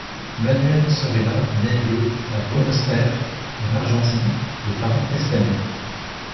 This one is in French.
Manuel Zorrilla naît le à Buenos Aires, en Argentine, de parents espagnols.